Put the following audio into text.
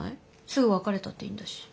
すぐ別れたっていいんだし。